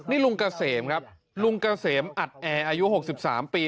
นี่ลุงกะเสมครับลุงกะเสมอัดแออายุ๖๓ปี